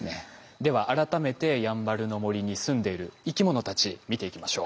では改めてやんばるの森にすんでいる生き物たち見ていきましょう。